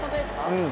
うん。